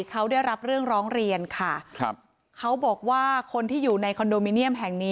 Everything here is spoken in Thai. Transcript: เขาได้รับเรื่องร้องเรียนค่ะครับเขาบอกว่าคนที่อยู่ในคอนโดมิเนียมแห่งนี้